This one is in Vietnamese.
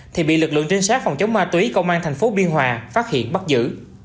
thì bị lực lượng trinh sát phòng chống ma túy công an thành phố biên hòa phát hiện bắt giữ